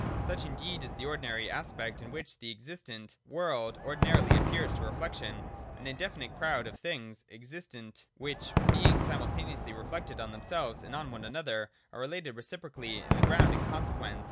Such indeed is the ordinary aspect in which the existent world originally appears to reflection, — an indefinite crowd of things existent, which being simultaneously reflected on themselves and on one another are related reciprocally as ground and consequence.